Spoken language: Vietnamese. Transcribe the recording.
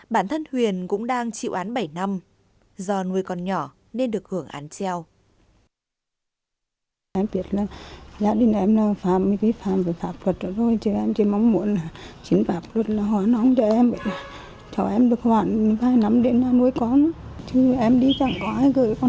bản thân huyền cũng đang chịu án bảy năm do nuôi còn nhỏ nên được hưởng án treo